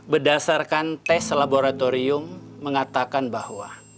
berdasarkan tes laboratorium mengatakan bahwa